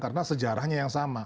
karena sejarahnya yang sama